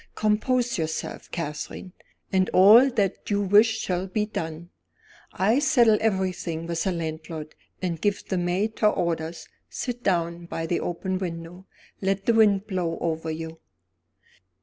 "Compose yourself, Catherine, and all that you wish shall be done. I'll settle everything with the landlord, and give the maid her orders. Sit down by the open window; let the wind blow over you."